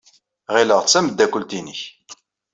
Ɣileɣ d tameddakelt-nnek.